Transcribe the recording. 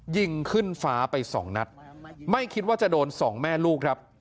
ยิงขึ้นฟ้าไปสองนัดไม่คิดว่าจะโดนสองแม่ลูกครับ